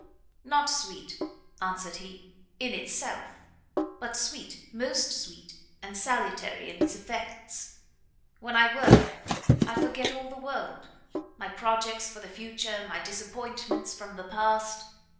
"Not sweet," answered he, "in itself; but sweet, most sweet and salutary in its effects. When I work, I forget all the world; my projects for the future, my disappointments from the past.